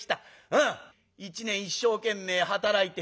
うん一年一生懸命働いて。